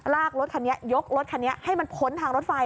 รถคันนี้ยกรถคันนี้ให้มันพ้นทางรถไฟ